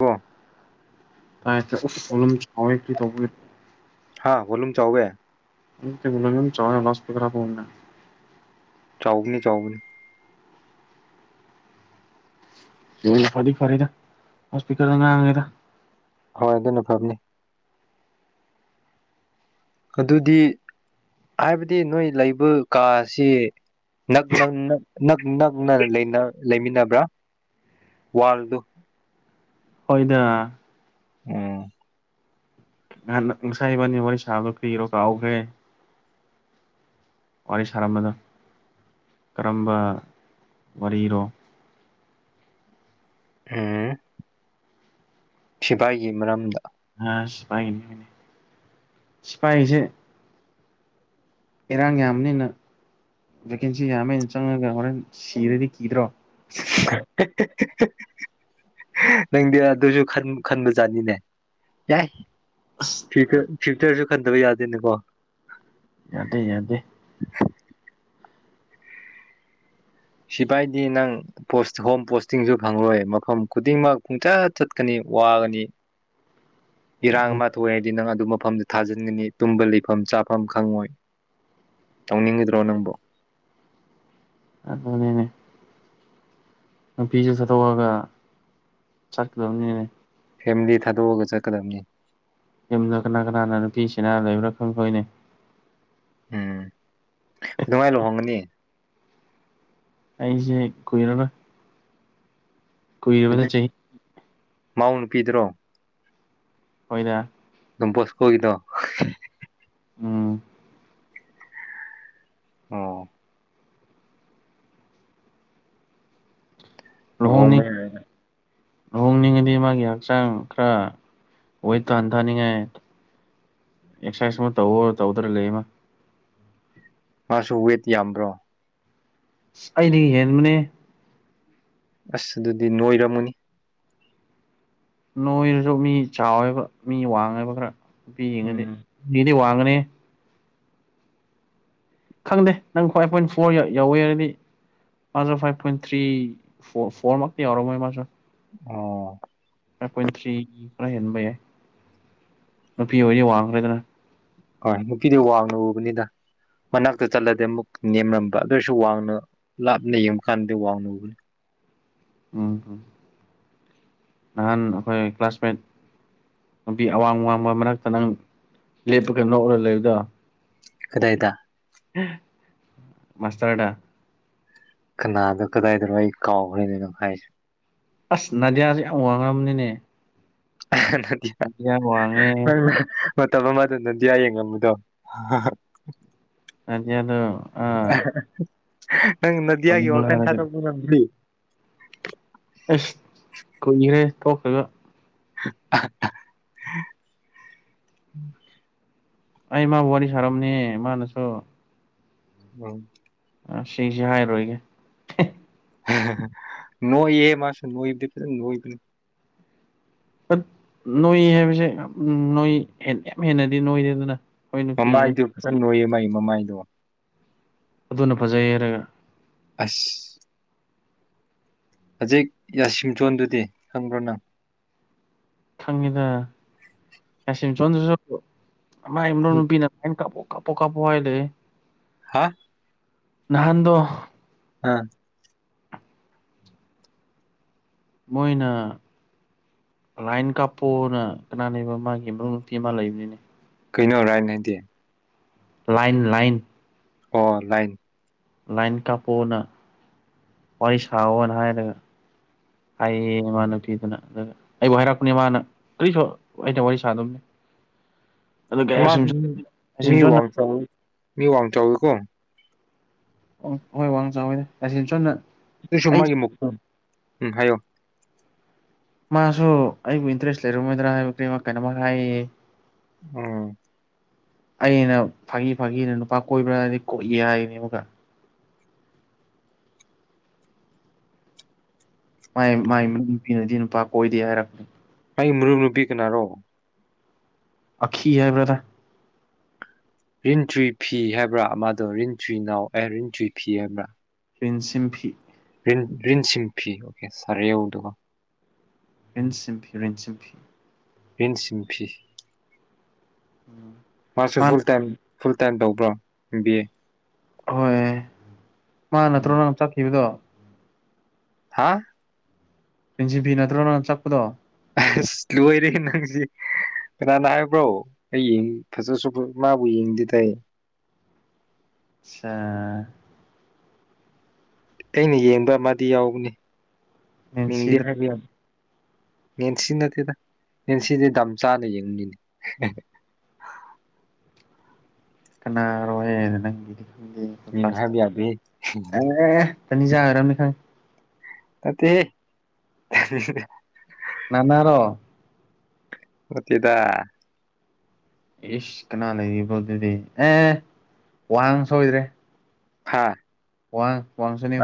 ꯀꯣ ꯍꯥ ꯚꯣꯂꯨꯝ ꯆꯥꯎꯋꯦ [unintelligible] ꯆꯥꯎꯕꯅꯤ ꯆꯥꯎꯕꯅꯤ ꯐꯗꯤ ꯐꯔꯦꯗ ꯍꯣꯁꯄꯤꯇꯜ ꯃꯃꯥꯡꯅꯤꯗ ꯑꯧ ꯑꯗꯨꯅ ꯐꯕꯅꯤ ꯑꯗꯨꯗꯤ ꯍꯥꯏꯕꯗꯤ ꯅꯣꯏ ꯂꯩꯕ ꯀꯥ ꯑꯁꯤ ꯅꯛ ꯅꯛ ꯅꯛꯅ ꯂꯩꯃꯤꯟꯅꯕ꯭ꯔꯥ ꯋꯥꯜꯗꯨ ꯍꯣꯏꯗ ꯎꯝ ꯉꯍꯥꯟ ꯉꯁꯥꯏꯕꯟꯅꯤ ꯋꯥꯔꯤ ꯁꯥꯕꯗꯣ ꯀꯤꯔꯣ ꯀꯥꯎꯈ꯭ꯔꯦ ꯋꯥꯔꯤ ꯁꯥꯔꯝꯕꯗꯣ ꯀꯔꯝꯕ ꯋꯥꯔꯤꯔꯣ ꯍꯥ ꯁꯤꯐꯥꯏꯒꯤ ꯃꯔꯝꯗ ꯑꯥ ꯁꯤꯄꯥꯏ ꯃꯔꯝꯅꯦ ꯁꯤꯄꯥꯏꯁꯦ ꯏꯔꯥꯡ ꯌꯥꯝꯕꯅꯤꯅ ꯚꯦꯀꯦꯟꯁꯤ ꯌꯥꯝꯃꯦꯅ ꯆꯪꯉꯒ ꯍꯣꯔꯦꯟ ꯁꯤꯔꯗꯤ ꯀꯤꯗ꯭ꯔꯣ [unintelligible] ꯅꯪꯗꯤ ꯑꯗꯨꯁꯨ ꯈꯟ ꯈꯟꯕꯖꯥꯠꯅꯤꯅꯦ ꯌꯥꯏ ꯑꯁ ꯐꯤꯆꯔ ꯐꯤꯆꯔꯁꯨ ꯈꯟꯗꯕ ꯌꯗꯦꯅꯦ ꯀꯣ ꯌꯗꯦ ꯌꯗꯦ ꯁꯤꯐꯥꯏꯗꯤ ꯅꯪ ꯄꯣꯁ ꯍꯣꯝ ꯄꯣꯁꯇꯤꯡꯁꯨ ꯐꯪꯂꯔꯣꯏ ꯃꯐꯝ ꯈꯨꯗꯤꯡꯃꯛ ꯄꯨꯡꯆꯠ ꯆꯠꯀꯅꯤ ꯋꯥꯒꯅꯤ [inaudible] ꯏꯔꯥꯡ ꯑꯃ ꯊꯣꯛꯑꯦ ꯍꯥꯏꯗꯤ ꯅꯪ ꯑꯗꯨꯃꯛ ꯃꯐꯝꯗꯨ ꯊꯥꯖꯤꯟꯒꯅꯤ ꯇꯨꯝꯕ ꯂꯩꯐꯝ ꯆꯥꯐꯝ ꯈꯪꯉꯣꯏ ꯇꯧꯅꯤꯡꯒꯗ꯭ꯔꯣ ꯅꯪꯕꯨ ꯑꯗꯨꯅꯦ ꯅꯨꯄꯤꯁꯨ ꯈꯠꯇꯣꯛ ꯑꯒ ꯆꯀꯗꯧꯅꯤꯅꯦ ꯐꯦꯃꯤꯂꯤ ꯊꯥꯗꯣꯛꯑꯒ ꯆꯠꯀꯗꯕꯅꯤ ꯌꯨꯝꯗ ꯀꯅꯥ ꯀꯅꯥꯅ ꯅꯨꯄꯤꯁꯤꯅ ꯂꯩꯕ꯭ꯔꯥ ꯈꯪꯗꯣꯏꯅꯦ ꯎꯝ ꯑꯗꯨꯃꯥꯏꯅ ꯂꯨꯍꯣꯡꯒꯅꯤ ꯑꯩꯁꯦ ꯀꯨꯏꯔꯔꯣꯏ ꯀꯨꯏꯕꯗ ꯍꯧꯖꯤꯛ ꯆꯍꯤ ꯃꯥꯎ ꯅꯨꯄꯤꯗ꯭ꯔꯣ ꯍꯣꯏꯗ ꯗꯣꯟ ꯕꯣꯁꯀꯣꯒꯤꯗꯣ ꯎꯝ ꯑꯧ ꯂꯨꯍꯣꯡꯅꯤꯡ ꯂꯨꯍꯣꯡꯕ ꯂꯨꯍꯣꯡꯅꯤꯡꯉꯗꯤ ꯃꯥꯒꯤ ꯍꯛꯆꯥꯡ ꯈꯔ ꯋꯦꯠ ꯍꯟꯊꯅꯤꯡꯉꯦ ꯑꯦꯁꯔꯁꯥꯁ ꯇꯧꯋꯣ ꯍꯥꯏꯔꯒ ꯇꯧꯗꯅ ꯂꯩꯕ ꯃꯥꯁꯨ ꯋꯦꯠ ꯌꯥꯝꯕ꯭ꯔꯣ ꯑꯩꯅ ꯍꯦꯟꯕꯅꯦ ꯑꯁ ꯑꯗꯨꯗꯤ ꯅꯣꯏꯔꯝꯃꯅꯤ ꯅꯣꯏꯔꯁꯨ ꯃꯤ ꯆꯥꯎꯋꯦꯕ ꯃꯤ ꯋꯥꯡꯉꯦꯕ ꯈꯔ ꯅꯨꯄꯤ ꯌꯦꯡꯉꯗꯤ ꯎꯝ ꯃꯤꯗꯤ ꯋꯥꯡ ꯑꯅꯦ ꯈꯪꯗꯦ ꯅꯪ ꯈ꯭ꯋꯥꯏ ꯄꯣꯏꯟ ꯐꯣꯔ ꯌꯧꯋꯦꯔꯗꯤ ꯃꯥꯖꯨ ꯐꯥꯏꯚ ꯄꯣꯏꯟ ꯊ꯭ꯔꯤ ꯐꯣ ꯐꯣꯔ ꯃꯛꯇꯤ ꯌꯧꯔꯝꯃꯣꯢ ꯃꯥꯁꯨ ꯑꯣ ꯐꯥꯏꯚ ꯄꯣꯏꯟ ꯊ꯭ꯔꯤ ꯈꯔ ꯍꯦꯟꯕ ꯌꯥꯏ ꯅꯨꯄꯤ ꯑꯣꯏꯗꯤ ꯋꯥꯡꯒꯗꯔ ꯍꯣꯏ ꯅꯨꯄꯤꯗꯤ ꯋꯥꯡꯅ ꯎꯕꯅꯤꯗ ꯃꯅꯥꯛꯇ ꯆꯠꯂꯗꯤ ꯑꯃꯨꯛ ꯅꯦꯝꯂꯝꯝꯕ ꯑꯗꯨ ꯑꯣꯏꯔꯁꯨ ꯋꯥꯡꯅ ꯂꯥꯞꯅ ꯌꯦꯡꯕ ꯀꯥꯟꯗꯗꯤ ꯋꯥꯡꯅ ꯎꯕꯅꯤ ꯎꯝ ꯅꯍꯥꯟ ꯑꯩꯈꯣꯏ ꯀ꯭ꯂꯥꯁꯃꯦꯠ ꯅꯨꯄꯤ ꯑꯋꯥꯡ ꯋꯥꯡꯕ ꯃꯔꯛꯇ ꯅꯪ ꯂꯦꯞꯄꯒ ꯅꯣꯛꯔꯛ ꯂꯩꯕꯗꯣ ꯀꯗꯥꯏꯗ ꯃꯥꯁꯇꯔꯗ ꯀꯅꯥꯗ ꯀꯗꯥꯏꯗ ꯑꯩ ꯀꯥꯎꯈ꯭ꯔꯦꯅꯦ ꯅꯪ ꯍꯥꯏꯁꯦ ꯑꯁ ꯅꯥꯗꯤꯌꯥꯁꯦ ꯌꯥꯝ ꯋꯥꯡꯉꯝꯅꯤꯅꯦ ꯍꯥ ꯅꯗꯤꯌꯥ ꯅꯪꯅ ꯃꯇꯝ ꯑꯃꯗ ꯅꯗꯤꯌꯥꯥ ꯌꯦꯡꯉꯝꯝꯕꯗꯣ ꯍꯥ ꯍꯥ ꯅꯗꯤꯌꯥꯗꯣ ꯑꯍꯥ ꯍꯥ ꯅꯪ ꯅꯗꯤꯌꯥꯒꯤ ꯋꯥꯈꯟ ꯊꯥꯗꯣꯛꯄ ꯉꯝꯗ꯭ꯔꯤ ꯇꯣꯛꯈꯒ ꯑꯍꯥ ꯑꯍꯥ ꯍꯥ ꯑꯩ ꯃꯥꯕꯨ ꯋꯥꯔꯤ ꯁꯥꯔꯝꯅꯤ ꯃꯥꯅꯁꯨ ꯑꯧ ꯑꯥ ꯁꯤꯁꯦ ꯍꯥꯏꯔꯣꯏꯒꯦ ꯑꯍꯥ ꯍꯥ ꯅꯣꯏꯌꯦ ꯃꯥꯁꯨ ꯅꯣꯏꯕꯗꯤ ꯐꯖꯟ ꯅꯣꯏꯕꯅꯤ ꯅꯣꯏ ꯍꯥꯏꯕꯁꯦ ꯅꯣꯏ ꯍꯦꯟ ꯌꯥꯝ ꯍꯦꯟꯅꯗꯤ ꯅꯣꯢꯗꯦꯗꯅ ꯃꯃꯥꯏꯗꯨ ꯐꯖꯟ ꯅꯣꯏꯌꯦ ꯃꯥꯒꯤ ꯃꯃꯥꯏꯗꯣ ꯑꯗꯨꯅ ꯐꯖꯩ ꯍꯥꯏꯔꯒ ꯑꯁ ꯍꯧꯖꯤꯛ ꯌꯥꯁꯤꯝꯆꯣꯟꯗꯨꯗꯤ ꯈꯪꯕ꯭ꯔꯣ ꯅꯪ ꯈꯪꯉꯤꯗ ꯌꯥꯁꯤꯝꯆꯣꯟꯗꯨꯁꯨ ꯃꯥꯏ ꯅꯨꯄꯤꯅ ꯑꯧ ꯀꯄꯣ ꯀꯥꯄꯣ ꯀꯥꯄꯣ ꯍꯥꯏ ꯂꯩꯌꯦ ꯍꯥ ꯅꯍꯥꯟꯗꯣ ꯑꯥ ꯃꯣꯏꯅ ꯂꯥꯏꯟ ꯀꯥꯞꯄꯣꯅ ꯀꯅꯥꯅꯦꯕ ꯃꯥꯒꯤ ꯃꯔꯨꯞ ꯅꯨꯄꯤ ꯑꯃ ꯂꯩꯕꯅꯤꯅꯦ ꯀꯩꯅꯣ ꯔꯥꯏꯅ ꯍꯥꯢꯗꯤ ꯂꯥꯏꯟ ꯂꯥꯏꯟ ꯑꯣ ꯂꯥꯏꯟ ꯂꯥꯏꯟ ꯀꯥꯞꯄꯣꯅ ꯋꯥꯔꯤ ꯁꯥꯋꯣꯅ ꯍꯥꯏꯔꯒ ꯍꯥꯏꯌꯦ ꯃꯥ ꯅꯨꯄꯤꯗꯅ ꯑꯗꯨꯒ ꯑꯩꯕꯨ ꯍꯥꯏꯔꯛꯄꯅꯦ ꯃꯥꯅ ꯀꯔꯤꯁꯨ ꯑꯩꯅ ꯋꯥꯔꯤ ꯁꯥꯗꯕꯅꯦ [inaudible] ꯃꯥ ꯎꯝ ꯃꯤ ꯌꯥꯁꯤꯝꯁꯣꯟꯅ ꯋꯥꯡ ꯆꯎ ꯃꯤ ꯋꯥꯡ ꯆꯥꯎꯋꯤꯀꯣ ꯑꯣ ꯍꯣꯏ ꯋꯥꯡ ꯆꯥꯎꯋꯦ ꯌꯥꯁꯤꯝꯆꯣꯟꯅ ꯑꯗꯨ ꯁꯨꯝ ꯃꯥꯒꯤ ꯃꯨꯎꯝ ꯍꯥꯏꯌꯣ ꯃꯥꯁꯨ ꯑꯩꯕꯨ ꯏꯟꯇꯔꯦꯁ ꯂꯩꯔꯝꯃꯣꯏꯗ꯭ꯔꯥ ꯍꯥꯏꯕꯗꯤ ꯃꯥ ꯀꯩꯅꯣꯝꯃꯥ ꯍꯥꯏꯌꯦ ꯎꯝ ꯑꯩꯅ ꯐꯥꯒꯤ ꯐꯥꯒꯤꯅ ꯅꯨꯄꯥ ꯀꯣꯏꯕ꯭ꯔꯥꯗꯤ ꯀꯣꯏꯌꯦ ꯍꯥꯏꯅꯤ ꯑꯃꯨꯛꯀ ꯃꯥꯏ ꯃꯥꯢ ꯅꯨꯄꯤꯅꯗꯤ ꯅꯨꯄꯥ ꯀꯣꯏꯗꯦ ꯍꯥꯏꯔꯛꯄꯅꯦ ꯑꯩ ꯃꯔꯨꯞ ꯅꯨꯄꯤ ꯀꯅꯥꯔꯣ ꯑꯈꯤ ꯍꯥꯏꯕ꯭ꯔꯗ ꯔꯤꯟꯆꯨꯢ ꯐꯤ ꯍꯥꯏꯕ꯭ꯔꯥ ꯑꯃꯥꯗꯣ ꯔꯤꯟꯆꯤꯅꯥꯎ ꯑꯦ ꯔꯤꯟꯆꯨꯢ ꯐꯤ ꯍꯥꯏꯕ꯭ꯔꯥ ꯔꯤꯟꯁꯤꯝꯐꯤ ꯔꯤꯟꯁꯤꯝꯐꯤ ꯑꯣꯀꯦ ꯁꯥꯔ ꯌꯧꯗꯕ ꯔꯤꯟꯁꯤꯝꯐꯤ ꯔꯤꯟꯁꯤꯝꯐꯤ ꯔꯤꯟꯁꯤꯝꯐꯤ ꯎꯝ ꯃꯁꯨ ꯃꯥ ꯐꯨꯜ ꯇꯥꯏꯝ ꯐꯨꯜ ꯇꯥꯝ ꯇꯧꯕ꯭ꯔ ꯕꯤ ꯑꯦ ꯍꯣꯏ ꯃꯥ ꯅꯠꯇ꯭ꯔꯣ ꯅꯪ ꯆꯠꯈꯤꯕꯗꯣ ꯍꯥ ꯔꯤꯟꯁꯤꯝꯐꯤ ꯅꯠꯇ꯭ꯔꯣ ꯅꯪ ꯆꯞꯄꯗꯣ ꯑꯁ ꯂꯣꯏꯔꯦ ꯅꯪꯖꯦ ꯀꯅꯥꯅ ꯍꯥꯏꯕ꯭ꯔꯣ ꯑꯩ ꯐꯖꯁꯨ ꯃꯥꯕꯨ ꯌꯦꯡꯗꯦꯗ ꯑꯩ ꯁꯥ ꯑꯩꯅ ꯌꯦꯡꯕ ꯑꯃꯥꯗꯤ ꯌꯥꯎꯕꯅꯦ ꯑꯦꯟ ꯃꯤꯡꯗꯤ ꯁꯤꯗ ꯍꯥꯏꯕ ꯌꯥ ꯃꯦꯟꯁꯤ ꯅꯠꯇꯦꯗ ꯃꯦꯟꯁꯤꯗꯤ ꯗꯥꯝꯆꯥꯅ ꯌꯦꯡꯉꯤꯅꯤ [unintelligible] ꯀꯅꯥꯔꯣꯏꯑꯦ ꯅꯪꯒꯤꯗꯤ ꯈꯪꯗꯦ ꯃꯤꯡ ꯂꯥꯁꯇ ꯍꯥꯏꯕ ꯌꯥꯗꯦꯍꯦ ꯑꯦ [unintelligible] ꯈꯪꯑꯦ ꯅꯠꯇꯦꯍꯦ [unintelligible] ꯅꯥꯅꯥꯔꯣ ꯅꯠꯇꯦꯗ ꯏꯁ ꯀꯅꯥꯅ ꯢꯕ꯭ꯔꯣ ꯑꯗꯨꯗꯤ ꯑꯦ ꯋꯥꯡ ꯁꯣꯏꯗ꯭ꯔꯦ ꯐꯥ ꯋꯥꯥꯡ ꯋꯥꯡꯁꯨꯅꯦ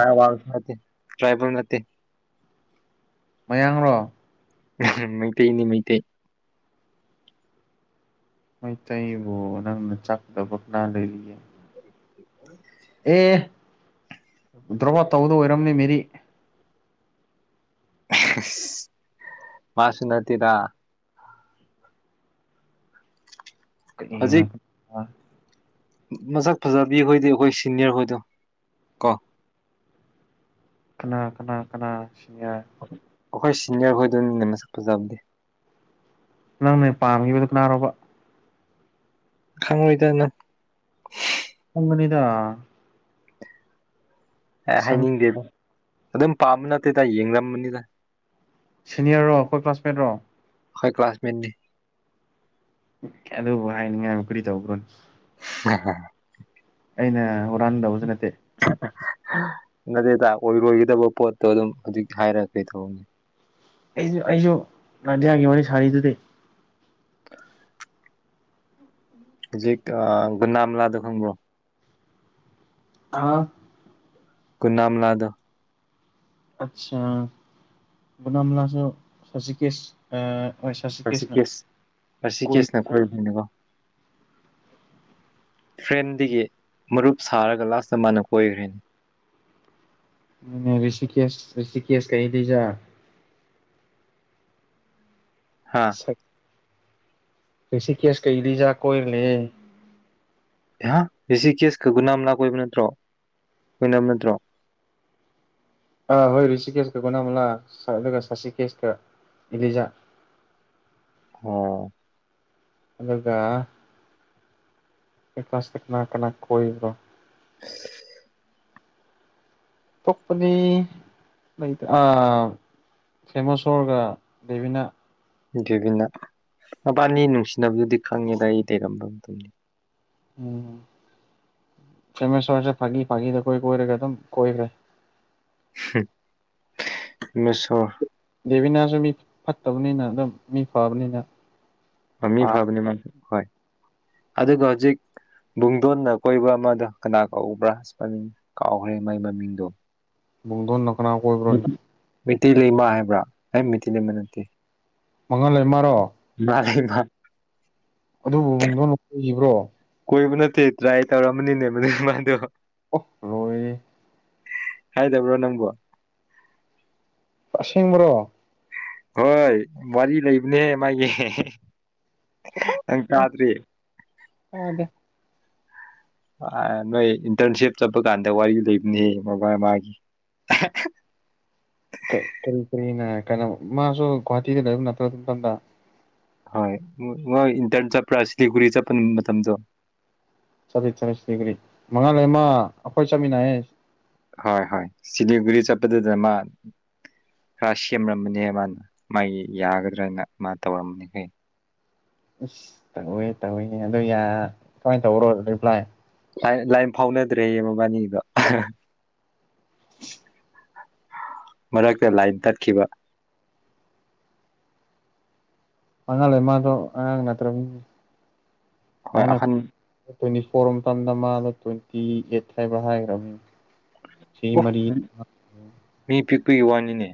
ꯇ꯭ꯔꯥꯏꯕꯜ ꯅꯠꯇꯦ ꯃꯌꯥꯡꯔꯣ [unintelligible] ꯃꯩꯇꯩꯅꯤ ꯃꯩꯇꯩ ꯃꯩꯇꯩꯕꯨ ꯅꯪꯅ ꯆꯥꯛꯇꯕ ꯀꯅꯥ ꯂꯩꯔꯤꯒꯦ [unintelligible] ꯑꯦ ꯗ꯭ꯔꯣ ꯑꯣꯠ ꯇꯧꯕꯗꯨ ꯑꯣꯏꯔꯝꯅꯤ ꯃꯦꯔꯤ [unintelligible] ꯃꯥꯁꯨ ꯅꯠꯇꯦꯗ ꯀꯔꯤꯅꯣ ꯍꯧꯖꯤꯛ [unintelligible] ꯃꯁꯛ ꯐꯖꯕꯤ ꯍꯣꯏꯗꯤ ꯑꯩꯈꯣꯏ ꯁꯤꯅꯤꯌꯔ ꯍꯣꯏꯗꯣ ꯀꯣ ꯀꯅꯥ ꯀꯅꯥ ꯀꯅꯥ ꯁꯤꯅꯤꯌ꯭ꯔ ꯑꯈꯣꯏ ꯁꯤꯅꯤꯌꯔ ꯍꯣꯏꯗꯣꯅꯤꯅꯦ ꯃꯁꯛ ꯐꯖꯕꯗꯤ ꯅꯪꯅ ꯄꯥꯝꯈꯤꯕꯗꯨ ꯀꯅꯥꯔꯣꯕ ꯈꯪꯉꯣꯏꯗꯅꯪ ꯈꯪꯒꯅꯤꯗꯥ ꯑꯦ ꯍꯥꯏꯅꯤꯡꯗꯦꯗ ꯑꯗꯨꯝ ꯄꯥꯝꯕ ꯅꯠꯇꯦꯗ ꯌꯦꯡꯔꯝꯕꯅꯦꯗ ꯁꯤꯅꯤꯌꯔꯔꯣ ꯑꯩꯈꯣꯏ ꯀ꯭ꯂꯥꯁ ꯃꯦꯠ ꯂꯣ ꯑꯈꯣꯏ ꯀ꯭ꯂꯥꯁ ꯃꯦꯠꯅꯦ ꯑꯗꯨꯕꯨ ꯍꯥꯏꯅꯤꯡꯉꯥꯏ ꯀꯔꯤ ꯇꯧꯕ꯭ꯔꯣꯅꯦ ꯍ ꯍꯥ ꯍꯥ ꯑꯩꯅ ꯍꯨꯔꯥꯟꯗꯕꯁꯨ ꯅꯠꯇꯦ ꯅꯠꯇꯦꯗ ꯑꯣꯏꯔꯣꯏꯒꯗꯕ ꯄꯣꯠꯇꯣ ꯑꯗꯨꯝ ꯍꯧꯖꯤꯛ ꯍꯥꯏꯔꯒ ꯀꯩ ꯇꯧꯅꯤ ꯑꯩꯖꯨ ꯑꯩꯖꯨ ꯅꯗꯤꯌꯥꯒꯤ ꯋꯥꯔꯤ ꯁꯥꯔꯤꯗꯨꯗꯤ ꯍꯧꯖꯤꯛ ꯒꯨꯅꯥꯝꯂꯥꯗꯣ ꯈꯪꯕ꯭ꯔꯣ ꯍꯥ ꯀꯨꯅꯥꯝꯂꯥꯗꯣ ꯑꯁꯥ ꯒꯨꯅꯥꯝꯂꯥꯁꯨ ꯍꯧꯖꯤꯛꯀꯤꯁ ꯑ ꯍꯣꯏ ꯁꯁꯤꯀꯦꯁꯅ ꯔꯁꯤꯀꯦꯁ ꯔꯁꯤꯀꯦꯁꯅ ꯀꯣꯢꯕꯅꯤꯀꯣ ꯐ꯭ꯔꯦꯟꯗꯒꯤ ꯃꯔꯨꯞ ꯁꯥꯔꯒ ꯂꯥꯁꯇ ꯃꯥꯅ ꯀꯣꯏꯈ꯭ꯔꯦ ꯎꯝ ꯔꯤꯁꯤꯀꯦꯁ ꯔꯤꯁꯤꯀꯦꯁ ꯀ ꯏꯂꯤꯖꯥ ꯍꯥ ꯁꯛ ꯔꯤꯁꯤꯀꯦꯁꯀ ꯏꯂꯤꯖꯥ ꯀꯣꯏꯔꯂꯩꯌꯦ ꯑꯦꯍꯥ ꯔꯤꯁꯤꯀꯦꯁꯀ ꯒꯨꯅꯥꯝꯂꯥ ꯀꯣꯏꯕ ꯅꯠꯇ꯭ꯔꯣ ꯀꯣꯏꯅꯝ ꯅꯠꯇ꯭ꯔꯣ [unintelligible] ꯇꯥꯗꯦ ꯑꯥ ꯍꯣꯏ ꯔꯤꯁꯤꯀꯦꯁꯀ ꯒꯣꯅꯃꯂꯥ ꯁ ꯑꯗꯨꯒ ꯁꯥꯁꯤꯀꯦꯁꯀ ꯏꯂꯤꯖꯥ [unintelligible] ꯋꯥ ꯉꯥꯡꯗ꯭ꯔꯦ ꯑꯣ ꯑꯗꯨꯒ ꯈꯣꯏ ꯀꯂ꯭ꯥꯁꯇ ꯀꯅꯥ ꯀꯅꯥ ꯀꯣꯏꯕ꯭ꯔꯣ [unintelligible] ꯇꯣꯞꯄꯗꯤ ꯂꯩꯇ ꯑꯝ ꯊꯦꯃꯁꯣꯔꯒ ꯕꯦꯕꯤꯅꯥ ꯗꯦꯕꯤꯅꯥ ꯃꯕꯥꯅꯤ ꯅꯨꯡꯁꯤꯅꯕꯗꯨꯗꯤ ꯈꯪꯉꯦꯗ ꯑꯩꯗꯤ [unintelligible] ꯎꯝ ꯐꯦꯃꯦꯁꯣꯔꯁꯨ ꯐꯥꯒꯤ ꯐꯥꯒꯤꯗ ꯀꯣꯏ ꯀꯣꯏꯔꯒ ꯑꯗꯨꯝ ꯀꯣꯏꯈ꯭ꯔꯦ ꯍꯝ ꯃꯤꯁꯣ ꯕꯦꯕꯤꯅꯁꯨ ꯃꯤ ꯐꯠꯇꯕꯅꯤꯅ ꯗꯨꯝ ꯃꯤ ꯐꯕꯅꯦꯗ ꯑ ꯃꯤ ꯐꯥꯕꯅꯦ ꯃꯥ ꯍꯣꯏ ꯑꯗꯨꯒ ꯍꯧꯖꯤꯛ ꯕꯨꯡꯗꯣꯟꯅ ꯀꯣꯏꯕ ꯑꯃꯗꯣ ꯀꯅꯥ ꯀꯧꯕ꯭ꯔꯥ [unintelligible] ꯀꯥꯎꯈ꯭ꯔꯦ ꯃꯥꯏ ꯃꯃꯤꯡꯗꯣ ꯕꯨꯡꯗꯣꯟꯅ ꯈꯅꯥ ꯀꯣꯏꯕ꯭ꯔꯣꯅꯦ ꯃꯩꯇꯩꯂꯩꯃꯥ ꯍꯥꯏꯕ꯭ꯔꯥ ꯑꯩ ꯃꯩꯇꯩꯩ ꯂꯩꯃ ꯅꯠꯇꯦ ꯃꯉꯥꯜꯂꯩꯃꯥꯔꯣ ꯃꯥꯟꯅꯦ ꯃꯥ ꯑꯗꯨꯕꯨ ꯕꯨꯡꯗꯣꯟꯅ ꯀꯣꯢꯕ꯭ꯔꯣ ꯀꯣꯏꯕ ꯅꯠꯇꯦ ꯇ꯭ꯔꯥꯏ ꯇꯧꯔꯝꯕꯅꯤꯅꯦ ꯃꯥꯗꯨ ꯅꯨꯄꯥꯗꯨ ꯑꯣ ꯂꯣꯏꯔꯦ ꯍꯥꯏꯗꯕ꯭ꯔꯣ ꯅꯪꯕꯨ ꯑꯁꯦꯡꯕꯔꯣ ꯍꯣꯏ ꯋꯥꯔꯤ ꯂꯩꯕꯅꯦꯍꯦ ꯃꯥꯒꯤ ꯍꯦꯍꯦ [unintelligible] ꯗꯦ ꯑꯥ ꯅꯣꯏ ꯏꯟꯇꯔꯟꯁꯤꯞ ꯆꯠꯄꯀꯥꯟꯗ ꯋꯥꯔꯤ ꯂꯩꯕꯅꯦ ꯃꯕꯥ ꯃꯥꯒꯤ ꯑꯍꯥꯍꯥ ꯀꯩ ꯀꯔꯤ ꯀꯔꯤꯅ ꯀꯩꯅꯣ ꯃꯥꯁꯨ ꯒꯣꯍꯥꯇꯤꯗ ꯂꯩꯕ ꯅꯠꯇ꯭ꯔꯣ ꯑꯗꯨ ꯃꯇꯝꯗ ꯍꯣꯏ ꯃꯣꯢ ꯏꯟꯇ꯭ꯔꯟ ꯆꯠꯄ꯭ꯔꯥ ꯁꯤꯂꯤꯒꯨꯔꯤ ꯆꯠꯄ [unintelligible] ꯃꯇꯝꯗꯨ ꯆꯠꯂꯦ ꯆꯠꯂꯦ ꯁꯤꯂꯤꯒꯨꯔꯤ ꯃꯉꯥꯜꯂꯩꯃꯥ ꯑꯈꯣꯏ ꯆꯠꯃꯤꯟꯅꯩꯌꯦ ꯍꯣꯏ ꯍꯣꯏ ꯆꯤꯂꯤꯒꯨꯔꯤ ꯆꯠꯄꯗꯨꯗ ꯃꯥ ꯈꯔ ꯁꯦꯝꯔꯝꯕꯅꯦ ꯃꯥꯅ ꯃꯥꯒꯤ ꯌꯥꯒꯗ꯭ꯔꯅ ꯃꯥꯥ ꯇꯧꯔꯝꯕꯅꯤ ꯀꯩ ꯢꯁ ꯇꯧꯋꯦ ꯇꯧꯋꯦꯍꯦ ꯑꯗꯣ ꯌꯥ ꯀꯃꯥꯏꯅ ꯇꯧꯕ꯭ꯔꯣ ꯔꯤꯄ꯭ꯂꯥꯏ ꯂꯥꯏꯟ ꯂꯥꯢꯟ ꯐꯥꯎꯅꯗ꯭ꯔꯦꯌꯦ ꯃꯕꯥꯅꯤꯒꯤꯗꯣ ꯑꯍꯥ ꯃꯔꯛꯇ ꯂꯥꯏꯟ ꯇꯠꯈꯤꯕ ꯃꯉꯥꯜꯂꯩꯃꯥꯗꯣ ꯑꯉꯥꯡ ꯅꯠꯇ꯭ꯔꯥꯕꯅꯦ ꯍꯣꯏ ꯑꯍꯟ ꯇ꯭ꯋꯦꯟꯇꯤ ꯐꯣꯔ ꯃꯇꯝꯗ ꯃꯥꯅ ꯇ꯭ꯋꯦꯟꯇꯤ ꯑꯦꯠ ꯍꯥꯏꯕ ꯍꯥꯏꯈ꯭ꯔꯕꯅꯤ ꯁꯤ ꯃꯔꯤ ꯀ꯭ꯔꯤ ꯋꯥꯅꯤꯅꯦ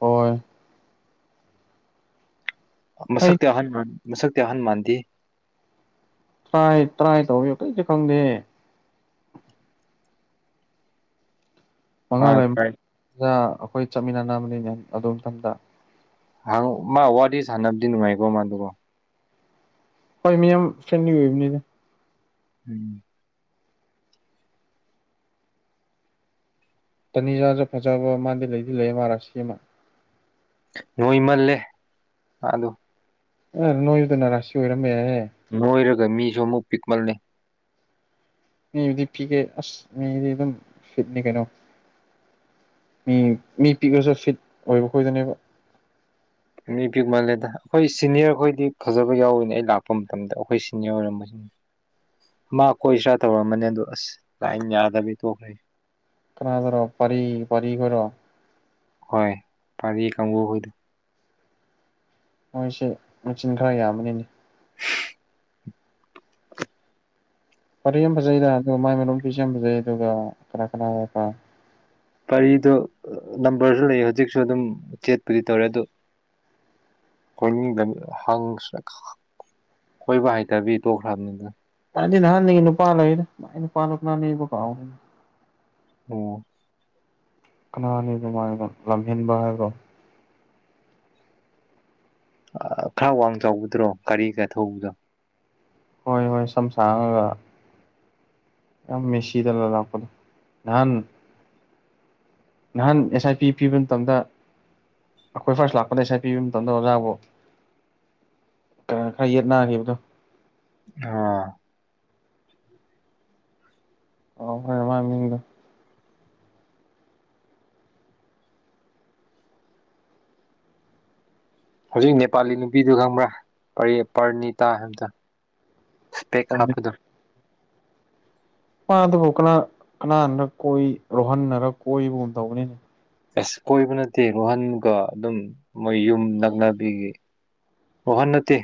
ꯍꯣꯢ ꯑꯩ ꯃꯁꯛꯇꯤ ꯑꯍꯟ ꯃꯥꯟ ꯃꯁꯛꯇꯤ ꯑꯍꯟ ꯃꯥꯟꯗꯦ ꯇ꯭ꯔꯥꯢ ꯇ꯭ꯔꯥꯏ ꯇꯧꯕꯤꯌꯣ ꯀꯥꯔꯤꯁꯨ ꯈꯪꯗꯦ ꯃꯥ ꯃꯉꯥꯜꯂꯩ ꯈꯔ [unintelligible] ꯗ ꯑꯩꯈꯣꯏ ꯆꯠꯃꯤꯟꯅꯅꯕꯅꯤꯅꯦ ꯑꯗꯨꯃꯇꯝꯗ ꯍꯪ ꯃꯥ ꯋꯥꯔꯤ ꯁꯥꯟꯅꯕꯗꯤ ꯅꯨꯡꯉꯥꯏꯀꯣ ꯃꯗꯨꯀꯣ ꯍꯣꯏ ꯃꯤꯌꯥꯝ ꯐ꯭ꯔꯦꯟꯂꯤ ꯑꯣꯏꯕꯅꯤꯗ ꯎꯝ ꯇꯅꯤꯖꯥꯁꯨ ꯐꯖꯕ ꯃꯥꯗꯤ ꯂꯩꯗꯤ ꯂꯩ ꯃꯥꯥꯔꯥꯁꯤ ꯑꯃ ꯅꯣꯏꯃꯜꯂꯦ ꯃꯥꯗꯨ ꯑ ꯅꯣꯏ ꯕꯗꯨꯅ ꯔꯥꯁꯤ ꯑꯣꯏꯔꯝꯕ ꯌꯥꯏꯍꯦ ꯅꯣꯏꯔꯒ ꯃꯤꯁꯨ ꯑꯃꯨꯛ ꯄꯤꯛꯃꯜꯂꯦ ꯃꯤꯗꯤ ꯄꯤꯛꯑꯦ ꯑꯁ ꯃꯤꯗꯤ ꯑꯗꯨꯝ ꯐꯤꯠꯅꯤ ꯀꯩꯅꯣ ꯃꯤ ꯃꯤ ꯄꯤꯛꯑꯁꯨ ꯐꯤꯠ ꯑꯣꯏꯕ ꯈꯣꯏꯗꯨꯅꯦꯕ ꯃꯤ ꯄꯤꯛ ꯃꯥꯜꯂꯦꯗ ꯑꯩꯈꯣꯏ ꯁꯤꯅꯤꯌꯔ ꯈꯣꯏꯗꯤ ꯐꯖꯕ ꯌꯥꯎꯋꯤꯅꯦ ꯑꯩ ꯂꯥꯛꯄ ꯃꯇꯝꯗ ꯑꯩꯈꯣꯏ ꯁꯤꯅꯤꯌꯔ ꯑꯣꯏꯔꯝꯕꯁꯤꯅ [inaudible] ꯃꯥ ꯀꯣꯏꯁꯤꯔꯥ ꯇꯧꯔꯝꯕꯅꯦ ꯑꯗꯨ ꯑꯁ ꯂꯥꯏꯟ ꯌꯥꯗꯕꯤ ꯇꯣꯛꯈ꯭ꯔꯦ ꯀꯅꯥꯗꯔꯣ ꯄꯥꯔꯤ ꯄꯥꯔꯤ ꯈꯣꯏꯔꯣ ꯍꯣꯏ ꯄꯥꯔꯤ ꯀꯥꯡꯕꯨꯍꯣꯏꯗꯣ ꯃꯣꯏꯁꯦ ꯃꯆꯤꯟ ꯈꯔ ꯌꯥꯝꯕꯅꯤꯅꯦ ꯄꯔꯤ ꯌꯥꯝ ꯐꯖꯩꯗ ꯑꯗꯨꯒ ꯃꯥꯏ ꯃꯅꯥꯎ ꯄꯤ ꯁꯨ ꯌꯥꯝ ꯐꯖꯩ ꯑꯗꯨꯒ ꯀꯅꯥ ꯀꯅꯥ ꯍꯥꯏ ꯄꯔꯤꯗꯣ ꯅꯝꯕꯔꯁꯨ ꯂꯩ ꯍꯧꯖꯤꯛꯁꯨ ꯑꯗꯨꯝ ꯆꯦꯠꯄꯨꯗꯤ ꯇꯧꯔꯦ ꯑꯗꯣ ꯀꯣꯏꯅꯤꯡꯗ ꯍꯡꯁꯤꯔ ꯀꯣꯏꯕ ꯍꯩꯇꯕꯤ ꯇꯣꯛꯈ꯭ꯔꯕꯅꯤꯗ ꯑꯗꯨꯗꯤ ꯅꯍꯥꯟꯉꯤ ꯅꯨꯄꯥ ꯂꯩꯗ ꯃꯥꯏ ꯅꯨꯄꯥ [unintelligible] ꯀꯥꯎꯔꯦ ꯑꯣ ꯀꯅꯥꯅꯤ ꯑꯗꯨꯃꯥꯏꯅ ꯂꯝꯍꯦꯟꯕ ꯍꯥꯏꯕ꯭ꯔꯣ ꯑꯥ ꯈꯔ ꯋꯥꯡ ꯆꯥꯎꯕꯗꯨꯔꯣ ꯒꯔꯤꯒ ꯊꯧꯕꯗꯣ ꯍꯣꯏ ꯍꯣꯏ ꯁꯝ ꯁꯥꯡꯉꯒ ꯑꯥ ꯃꯦꯁꯤꯗꯒ ꯂꯥꯛꯄꯗꯣ ꯅꯍꯥꯟ ꯅꯍꯥꯟ ꯑꯦꯁ ꯑꯥꯏ ꯄꯤ ꯄꯤꯕ ꯃꯇꯝꯗ ꯑꯩꯈꯣꯏ ꯐꯥꯔꯁ ꯂꯥꯛꯄꯅꯦ ꯑꯦꯁ ꯑꯥꯏ ꯄꯤꯕ ꯃꯇꯝꯗ ꯑꯣꯖꯥꯕꯣ ꯀ ꯈꯔ ꯌꯦꯠꯅꯥꯈꯤꯕꯗꯣ ꯑꯥ ꯀꯥꯎꯈ꯭ꯔꯦ ꯃꯥꯏ ꯃꯤꯡꯗꯣ ꯍꯧꯖꯤꯛ ꯅꯦꯄꯥꯂꯤ ꯅꯨꯄꯤꯗꯨ ꯈꯪꯕ꯭ꯔꯥ ꯄꯔꯤ ꯄꯔꯅꯤꯇꯥ ꯍꯥꯏꯕꯗꯣ ꯁꯄꯦꯛ ꯍꯥꯞꯄꯗꯨ ꯄꯥꯗꯨꯕꯨ ꯀꯅꯥ ꯀꯅꯥꯅ ꯀꯣꯏ ꯔꯣꯍꯟꯅꯔ ꯀꯣꯏꯕꯒꯨꯝ ꯇꯧꯕꯅꯤꯅꯦ ꯑꯁ ꯀꯣꯏꯕ ꯅꯠꯇꯦ ꯔꯨꯍꯟꯒ ꯑꯗꯨꯝ ꯃꯣꯏ ꯌꯨꯝ ꯅꯛꯅꯕꯤꯒꯤ ꯔꯣꯍꯟ ꯅꯠꯇꯦ